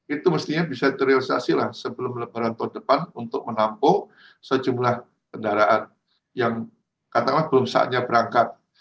itu mestinya bisa terrealisasi lah sebelum lebaran tahun depan untuk menampung sejumlah kendaraan yang katakanlah belum saatnya berangkat